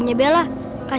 ibu di belakang